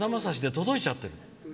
届いちゃってる。